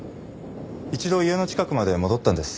一度家の近くまで戻ったんです。